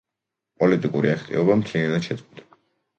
პოლიტიკური აქტივობა მთლიანად შეწყვიტა.